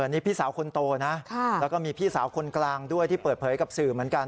นี่พี่สาวคนโตนะแล้วก็มีพี่สาวคนกลางด้วยที่เปิดเผยกับสื่อเหมือนกัน